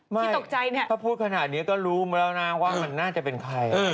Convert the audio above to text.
ไม่ถ้าพูดขนาดนี้ก็รู้แล้วนะว่ามันน่าจะเป็นใคร